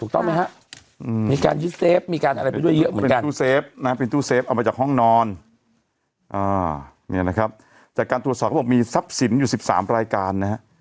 แต่การตรวจสอบมีทรัพย์สินอยู่๑๓รายกาล